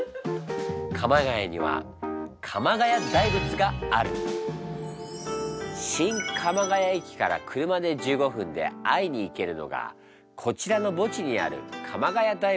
鎌ケ谷には新鎌ケ谷駅から車で１５分で会いに行けるのがこちらの墓地にある鎌ケ谷大仏。